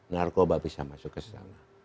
narkoba bisa masuk ke sana